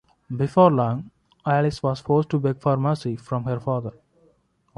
Before long, Alice was forced to beg for mercy from her father.